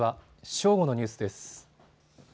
正午のニュースです。